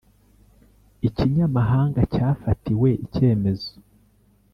ikinyamahanga cyafatiwe icyemezo